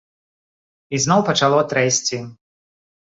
І зноў пачало трэсці.